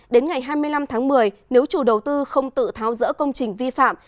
đến ngày hai mươi năm tháng một mươi nếu chủ đầu tư không tự tháo rỡ công trình vi phạm